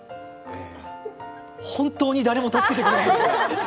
本当に誰も助けてくれない？